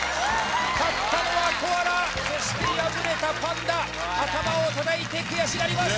勝ったのはコアラそして敗れたパンダ頭を叩いて悔しがります・